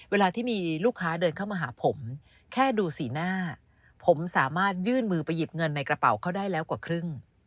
เวลาที่มีลูกค้าเดินเข้ามาหาผมแค่ดูสีหน้าผมสามารถยื่นมือไปหยิบเงินในกระเป๋าเขาได้แล้วกว่าครึ่ง